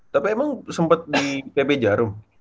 tapi emang sempet di pb jarum